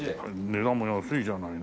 値段も安いじゃないの。